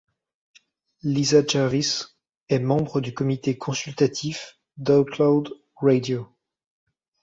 Lisa Jervis est membre du comité consultatif d'OutLoud Radio.